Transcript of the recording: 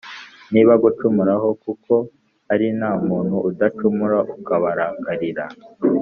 “Nibagucumuraho kuko ari nta muntu udacumura ukabarakarira